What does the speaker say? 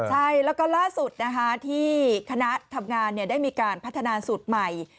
ใช่แล้วก็ล่าสุดนะคะที่คณะทำงานได้มีการพัฒนาสูตรใหม่